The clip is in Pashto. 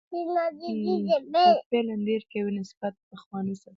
د انرژۍ د نوي کيدو او نه نوي کيدو وړ سرچينې منابع